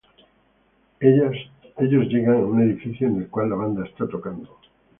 Ellos llegan a un edificio en el cual la banda está tocando.